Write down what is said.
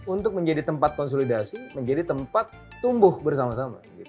untuk menjadi tempat konsolidasi menjadi tempat tumbuh bersama sama